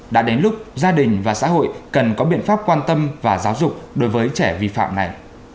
đã đến lúc gia đình và xã hội cần có biện pháp quan tâm và giáo dục đối với trẻ vi phạm này